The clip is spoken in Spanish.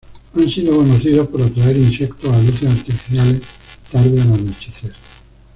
Han sido conocidos por atraer insectos a luces artificiales tarde al anochecer.